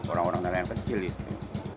orang orang nilai yang kecil itu